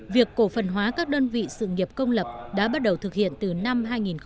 việc cổ phần hóa các đơn vị sự nghiệp công lập đã bắt đầu thực hiện từ năm hai nghìn một mươi